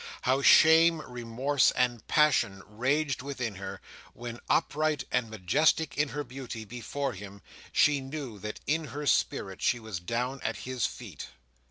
How shame, remorse, and passion raged within her, when, upright and majestic in her beauty before him, she knew that in her spirit she was down at his feet!